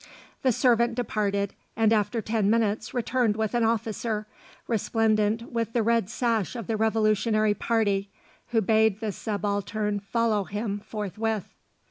The servant departed, and after ten minutes returned with an officer, resplendent with the red sash of the Revolutionary party, who bade the Subaltern follow him forthwith.